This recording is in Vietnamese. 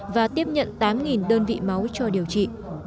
và tiếp nhận tám đơn vị máu cho điều trị